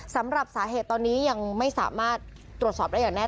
สำหรับสาเหตุตอนนี้ยังไม่สามารถตรวจสอบได้อย่างแน่